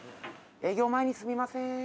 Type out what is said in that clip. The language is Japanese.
営業前にすみません。